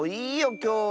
きょうは。